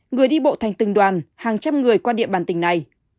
người đi bộ thành từng đoàn hàng trăm người qua địa bàn tỉnh này